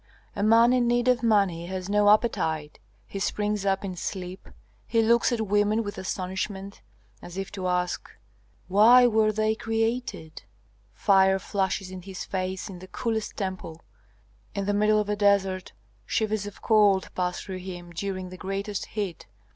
A man in need of money has no appetite, he springs up in sleep, he looks at women with astonishment, as if to ask, 'Why were they created?' Fire flashes in his face in the coolest temple. In the middle of a desert shivers of cold pass through him during the greatest heat.